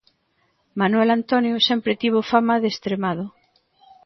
Manuel Antonio sempre tivo fama de extremado.